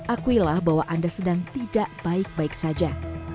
akuilah bahwa anda sedang tidak baik baik saja